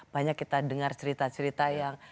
banyak kita dengar cerita cerita yang